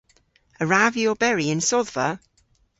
A wrav vy oberi yn sodhva?